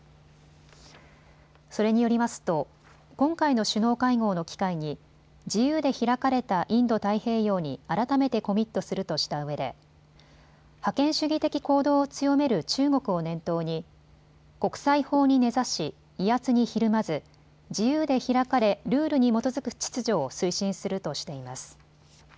それによりますと今回の首脳会合の機会に自由で開かれたインド太平洋に改めてコミットするとしたうえで覇権主義的行動を強める中国を念頭に国際法に根ざし威圧にひるまず自由で開かれルールに基づく秩序を推進するとしています。